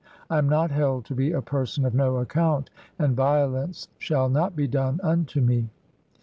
I am not held to be a person of no account ; "(5) and violence shall not be done unto me.